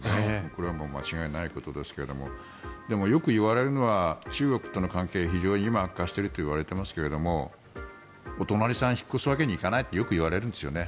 これは間違いないことですけれどでも、よく言われるのは中国との関係非常に今悪化してるって言われてますけどお隣さん、引っ越すわけにはいかないってよく言われるんですよね。